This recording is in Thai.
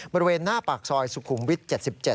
บริเวณหน้าปากซอยสุขุมวิท๗๗